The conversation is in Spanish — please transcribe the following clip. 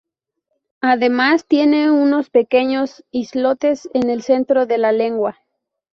Además, tiene unos pequeños islotes en el centro de la laguna.